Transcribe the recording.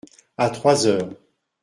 À trois heures.